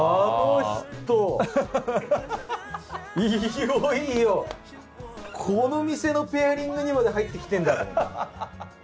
いよいよこの店のペアリングにまで入って来てんだと。